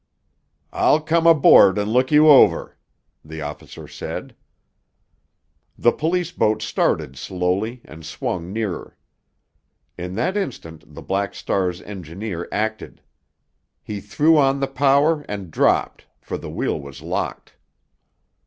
"I'll come aboard and look you over," the officer said. The police boat started slowly and swung nearer. In that instant the Black Star's engineer acted. He threw on the power and dropped, for the wheel was locked.